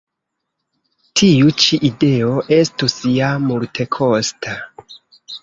Tiu ĉi ideo estus ja multekosta.